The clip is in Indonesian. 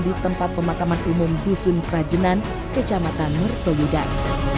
di tempat pemakaman umum busun prajenan kecamatan mertowudan